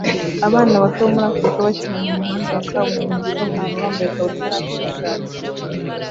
Abana bato bo muri Afrika bakinira mumuhanda wa kaburimbo na kaburimbo bambaye ikabutura na t-shati